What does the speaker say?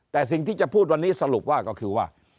แต่สิ่งที่จะพูดวันนี้สรุปว่าก็คือว่า